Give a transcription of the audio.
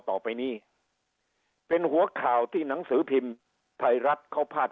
ต่อไปนี้เป็นหัวข่าวที่หนังสือพิมพ์ไทยรัฐเขาพาด